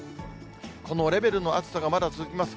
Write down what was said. このレベルの暑さがまだ続きます。